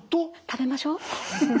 食べましょう。